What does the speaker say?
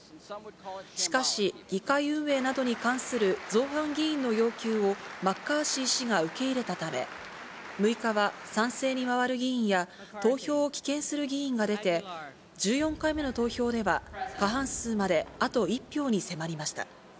しかし、議会運営などに関する造反議員の要求を、マッカーシー氏が受け入れたため、６日は賛成に回る議員や投票を棄権する議員が出て、１４回目の投票では、過半数まであと１票に迫りました。